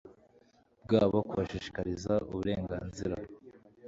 bwabo kubashishikariza uburenganzira